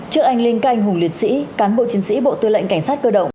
trước anh linh các anh hùng liệt sĩ cán bộ chiến sĩ bộ tư lệnh cảnh sát cơ động